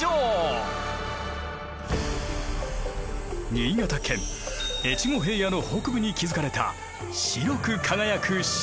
新潟県越後平野の北部に築かれた白く輝く城。